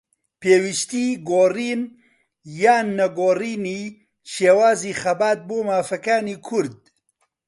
پێویستیی گۆڕین یان نەگۆڕینی شێوازی خەبات بۆ مافەکانی کورد